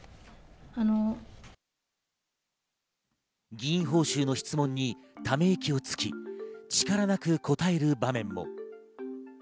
議員報酬の質問にため息をつき、力なく答える場面も。